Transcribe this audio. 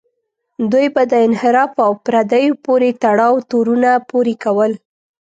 دوی به د انحراف او پردیو پورې تړاو تورونه پورې کول.